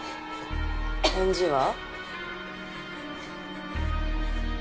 返事は？